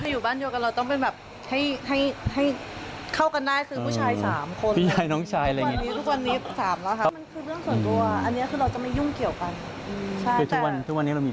อยู่บ้านเดียวกันเราต้องเป็นแบบให้เข้ากันได้